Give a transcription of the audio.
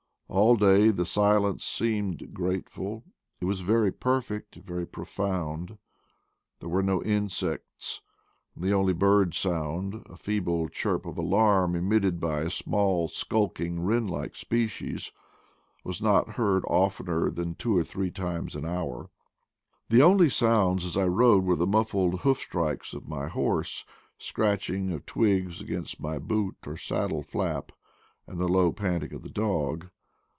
All day the silence seemed grateful, it was very perfect, very profound. There were no insects, and the only bird sound — a feeble chirp of alarm emitted by a small skulking THE PLAINS OF PATAGONIA 209 wren like species — was not heard oftener than two or three times an hour. The only sounds as I rode were the muffled hoof strokes of my horse, scratching of twigs against my boot or saddle flap, and the low panting of the dog.